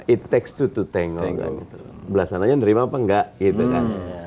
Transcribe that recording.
it takes two to tango belasananya nerima apa enggak gitu kan